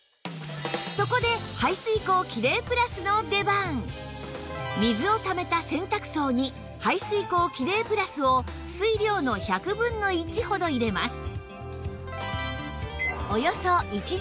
そこで水をためた洗濯槽に排水口キレイプラスを水量の１００分の１ほど入れます